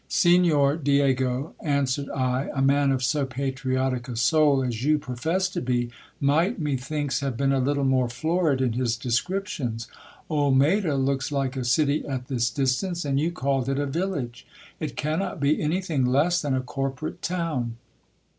Signor Diego, answered I, a man of so patriotic a soul as you profess to be, might, methinks, have been a little more florid in his descriptions. Olmedo looks like a city at this distance, and you called it a village ; it cannot be anything less than a corporate town.